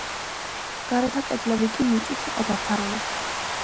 გარეთა კედლები კი მიწით იყო დაფარული.